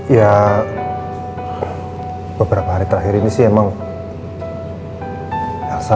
ya beberapa hari terakhir ini sih emang elsa mah